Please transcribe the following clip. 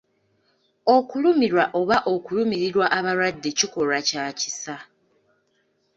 Okulumirwa oba okulumirirwa abalwadde kikolwa kya kisa.